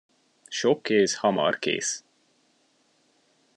Sok kéz hamar kész.